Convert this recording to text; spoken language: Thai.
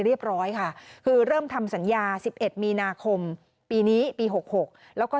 เรียบร้อยค่ะคือเริ่มทำสัญญา๑๑มีนาคมปีนี้ปี๖๖แล้วก็